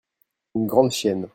une grande chienne.